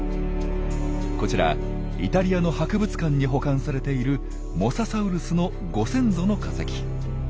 こちらイタリアの博物館に保管されているモササウルスのご先祖の化石。